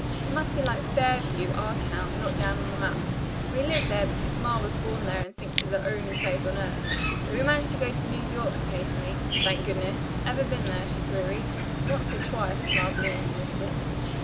"It must be like Fairview, our town, not down on the map. We live there, because Ma was born there and thinks it the only place on earth, but we manage to go to New York occasionally, thank goodness. Ever been there?" she queried. "Once or twice," smiled Miriam Nesbit.